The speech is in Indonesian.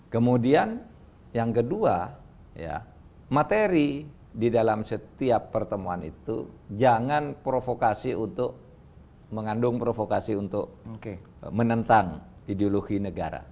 kemudian yang kedua materi di dalam setiap pertemuan itu jangan provokasi untuk mengandung provokasi untuk menentang ideologi negara